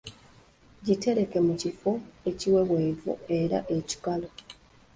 Gitereke mu kifo ekiweweevu era ekikalu.